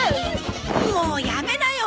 もうやめなよ！